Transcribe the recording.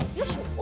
お！